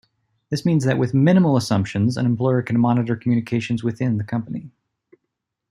This means that with minimal assumptions an employer can monitor communications within the company.